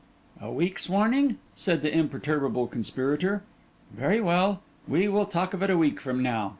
'A week's warning?' said the imperturbable conspirator. 'Very well: we will talk of it a week from now.